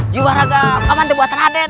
jiwa raga paman deh buat raden